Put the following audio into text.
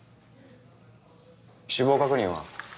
死亡確認は？